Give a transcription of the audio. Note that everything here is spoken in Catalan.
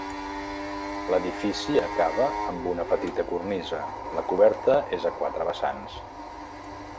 L'edifici acaba amb una petita cornisa, la coberta és a quatre vessants.